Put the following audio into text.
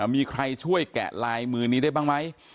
มีใครช่วยแกะลายมือนี้ได้บ้างไหม